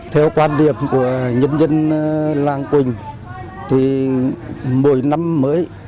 theo quan điểm của nhân dân làng quỳnh thì mỗi năm mới